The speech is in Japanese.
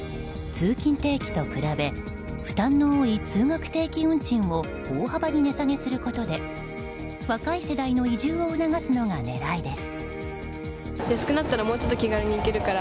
通勤定期と比べ負担の多い通学定期運賃を大幅に値下げすることで若い世代の移住を促すのが狙いです。